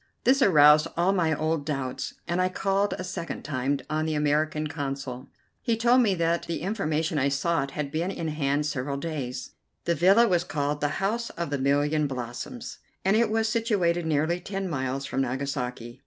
This aroused all my old doubts, and I called a second time on the American Consul. He told me that the information I sought had been in hand several days. The villa was called "The House of the Million Blossoms," and it was situated nearly ten miles from Nagasaki.